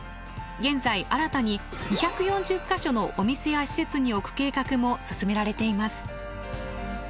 現在新たに２４０か所のお店や施設に置く計画も進められています。